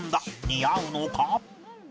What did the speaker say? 似合うのか？